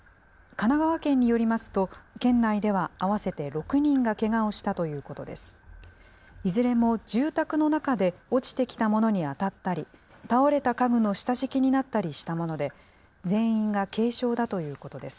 神奈川県によりますと、県内では合わせて６人がけがをしたということです。